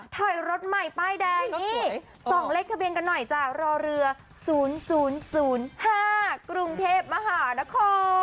ถอยรถใหม่ป้ายแดงนี่๒เลขทะเบียนกันหน่อยจ้ะรอเรือ๐๐๕กรุงเทพมหานคร